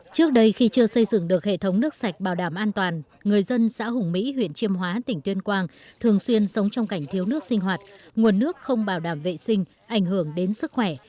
trước đây khi chưa xây dựng được hệ thống nước sạch bảo đảm an toàn người dân xã hùng mỹ huyện chiêm hóa tỉnh tuyên quang thường xuyên sống trong cảnh thiếu nước sinh hoạt nguồn nước không bảo đảm vệ sinh ảnh hưởng đến sức khỏe